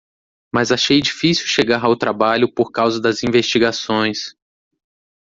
Mas achei difícil chegar ao trabalho por causa das investigações.